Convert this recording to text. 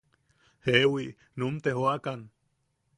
Jeewi, num te joʼakan.